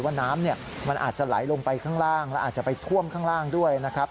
ว่าน้ำมันอาจจะไหลลงไปข้างล่างและอาจจะไปท่วมข้างล่างด้วยนะครับ